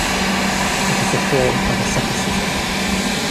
It is a form of asceticism.